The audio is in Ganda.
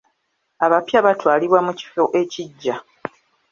Abapya batwalibwa mu kifo ekiggya.